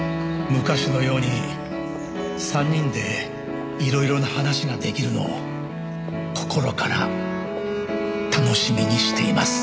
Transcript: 「昔のように３人でいろいろな話が出来るのを心から楽しみにしています」